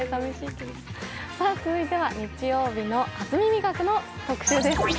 続いては、「日曜日の初耳学」の特集です。